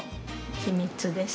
秘密です。